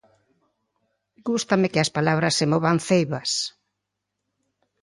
Gústame que as palabras se movan ceibas.